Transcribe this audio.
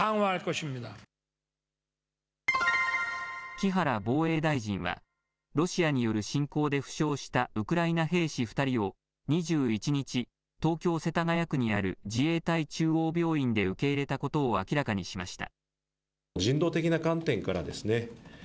木原防衛大臣はロシアによる侵攻で負傷したウクライナ兵士２人を２１日、東京世田谷区にある自衛隊中央病院で受け入れたことを明らかにしました。